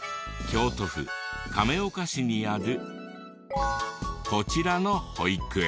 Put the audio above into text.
京都府亀岡市にあるこちらの保育園。